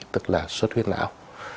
tức là xuất huyết não